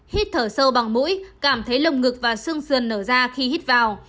hít thở sâu bằng mũi cảm thấy lồng ngực và xương sườn nở ra khi hít vào